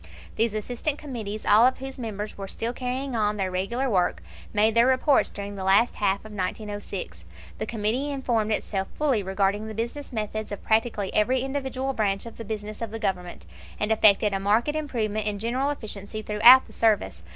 These assistant committees, all of whose members were still carrying on their regular work, made their reports during the last half of 1906. The Committee informed itself fully regarding the business methods of practically every individual branch of the business of the Government, and effected a marked improvement in general efficiency throughout the service.